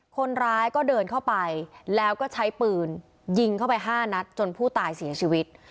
คนร้ายก็เดินเข้าไปแล้วก็ใช้ปืนยิงเข้าไป๕นัดจนผู้ตายเสียชีวิต